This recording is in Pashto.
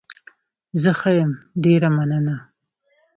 زه ښه يم، ډېره مننه.